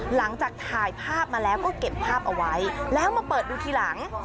หลังจากถ่ายภาพมาแล้วก็เก็บภาพเอาไว้แล้วมาเปิดดูทีหลัง